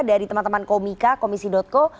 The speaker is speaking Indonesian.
dari teman teman komika komisi co